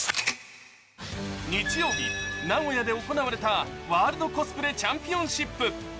日曜日、名古屋で行われたワールドコスプレチャンピオンシップ。